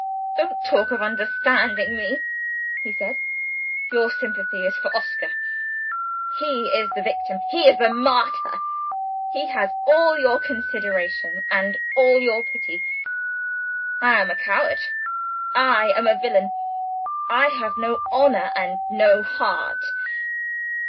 "Don't talk of understanding me," he said. "Your sympathy is for Oscar. He is the victim; he is the martyr; he has all your consideration and all your pity. I am a coward; I am a villain; I have no honor and no heart.